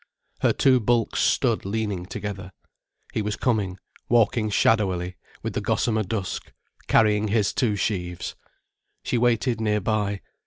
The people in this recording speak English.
Her two bulks stood leaning together. He was coming, walking shadowily with the gossamer dusk, carrying his two sheaves. She waited nearby.